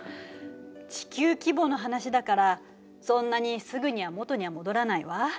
地球規模の話だからそんなにすぐには元には戻らないわ。